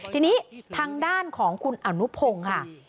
ทีนี้ทางด้านของคุณอนุพงศ์ค่ะ